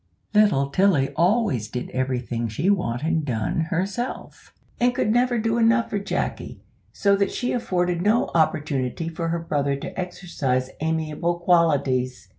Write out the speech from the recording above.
Little Tilly always did everything she wanted done herself; and could never do enough for Jacky, so that she afforded no opportunity for her brother to exercise amiable qualities.